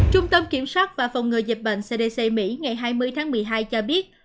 trung tâm kiểm soát và phòng ngừa dịch bệnh cdc mỹ ngày hai mươi tháng một mươi hai cho biết